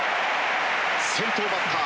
先頭バッター